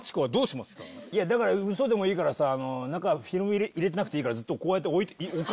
だからウソでもいいからさ中フィルム入れてなくていいからずっとこうやって。